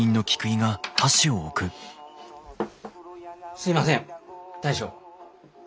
すいません大将。